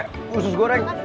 eh usus goreng